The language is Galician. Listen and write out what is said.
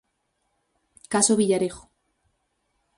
Caso Villarejo.